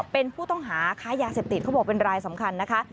เป็นผู้ต้องหาค้ายาเสพติดเขาบอกเป็นรายสำคัญนะคะ